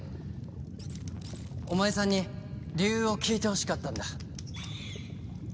お前さんに理由を聞いてほしかったんだ。